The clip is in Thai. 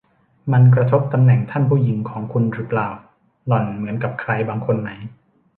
มันกระทบตำแหน่งท่านผู้หญิงของคุณหรือเปล่า หล่อนเหมือนกับใครบางคนไหม